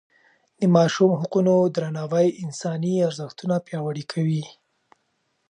د ماشوم حقونو درناوی انساني ارزښتونه پیاوړي کوي.